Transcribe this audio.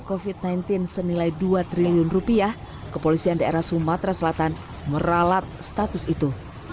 kofit sembilan belas senilai dua triliun rupiah kepolisian daerah sumatera selatan meralat status itu